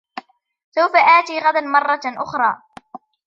سوف آتي غدا مرة أخرى